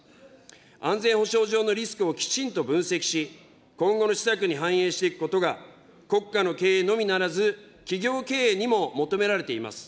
安全保障上のリスクをきちんと分析し、今後の施策に反映していくことが、国家の経営のみならず、企業経営にも求められています。